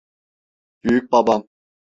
Büyükbabam.